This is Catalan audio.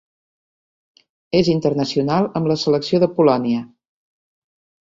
És internacional amb la selecció de Polònia.